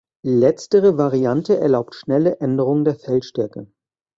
Letztere Variante erlaubt schnelle Änderungen der Feldstärke.